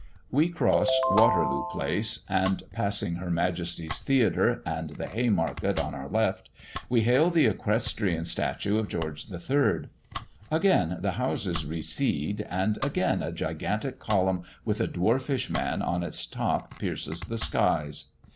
We cross Waterloo place, and passing Her Majesty's theatre and the Haymarket on our left, we hail the equestrian statue of George III. Again the houses recede, and again a gigantic column with a dwarfish man on its top pierces the skies.